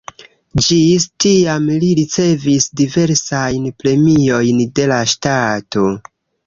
Ĝis tiam li ricevis diversajn premiojn de la ŝtato.